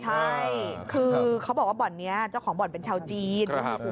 ใช่คือเขาบอกว่าบ่อนนี้เจ้าของบ่อนเป็นชาวจีน